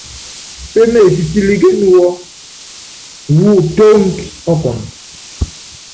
Pémeésítílíkén wɔ wɔ́ tónki ɔkɔnd.